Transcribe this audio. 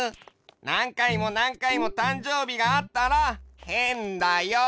なんかいもなんかいもたんじょうびがあったらへんだよ。